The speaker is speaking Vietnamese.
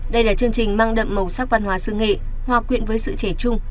đây là chương trình mang đậm màu sắc văn hóa sư nghệ hoa quyện với sự trẻ trung